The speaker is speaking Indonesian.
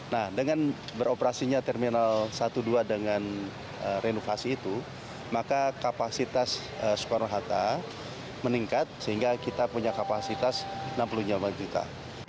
nah dengan beroperasinya terminal satu dua dengan renovasi itu maka kapasitas soekarno hatta meningkat sehingga kita punya kapasitas enam puluh delapan juta